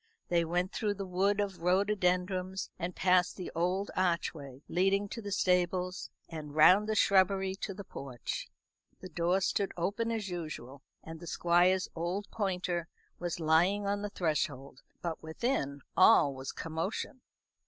They went through the wood of rhododendrons, and past the old archway leading to the stables, and round by the shrubbery to the porch. The door stood open as usual, and the Squire's old pointer was lying on the threshold; but within all was commotion.